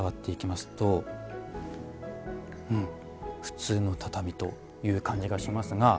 うん普通の畳という感じがしますが。